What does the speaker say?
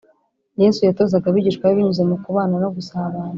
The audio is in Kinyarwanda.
Yesu yatozaga abigishwa be binyuze mu kubana no gusabana